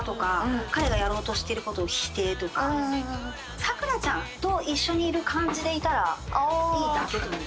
さくらちゃんと一緒にいる感じでいたらいいだけというか。